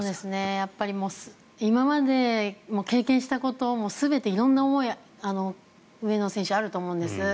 やっぱり今までに経験したことも全て色んな思い上野選手はあると思うんです。